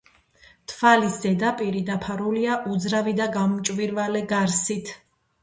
თვალის ზედაპირი დაფარულია უძრავი და გამჭვირვალე გარსით.